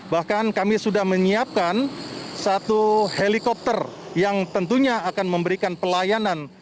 bahkan kami sudah menyiapkan satu helikopter yang tentunya akan memberikan pelayanan